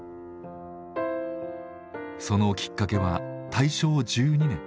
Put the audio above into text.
そのきっかけは大正１２年。